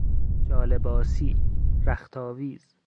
جالباسی، رخت آویز